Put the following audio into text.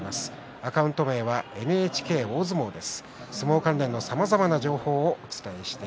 アカウント名はＮＨＫ大相撲です。